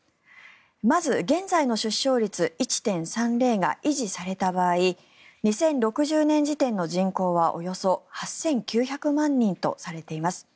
まず、現在の出生率１．３０が維持された場合２０６０年時点の人口はおよそ８９００万人とされています。